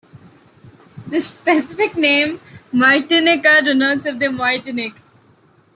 The specific name "martinica" denotes "of Martinique".